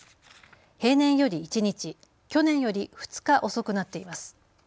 平年より１日、去年より２日遅くなっています。